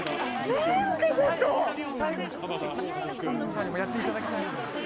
最後ちょっと、菅野美穂さんにもやっていただきたいことがあって。